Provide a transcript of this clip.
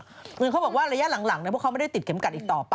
เหมือนเขาบอกว่าระยะหลังพวกเขาไม่ได้ติดเข็มกัดอีกต่อไป